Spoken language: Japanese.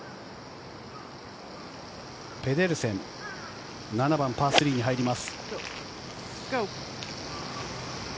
ペデルセン、７番、パー３に入ります。